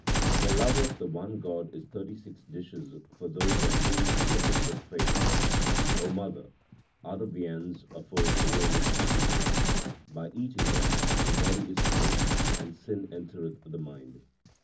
The love of the one God is thirty six dishes 3 for those on whom He looketh with favour. O mother, other viands afford ruinous happiness ; By eating them the body is pained, and sin entereth the mind.